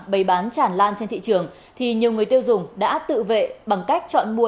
bày bán tràn lan trên thị trường thì nhiều người tiêu dùng đã tự vệ bằng cách chọn mua